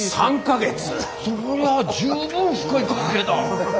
そりゃ十分深い関係だ。